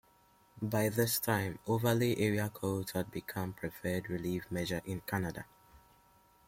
By this time, overlay area codes had become the preferred relief measure in Canada.